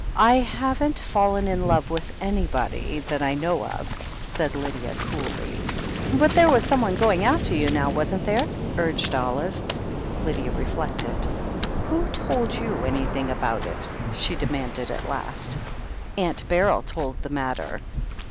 "I haven't fallen in love with anybody, that I know of," said Lydia coolly. "But there was someone going after you, now, wasn't there?" urged Olive. Lydia reflected. "Who told you anything about it?" she demanded at last. "Aunt Beryl told the mater."